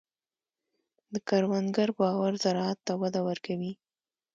د کروندګر باور زراعت ته وده ورکوي.